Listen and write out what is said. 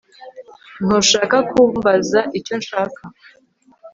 Ntushaka kumbaza icyo nshaka